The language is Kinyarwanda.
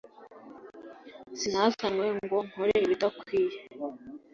Sinazanywe ngo nkore ibidakwiye.